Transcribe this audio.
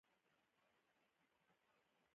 په نړۍ کښي تر ټولو آسانه شى چي ژر له منځه ځي؛ واک دئ.